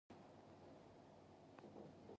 آیا وچکالي اقتصاد خرابوي؟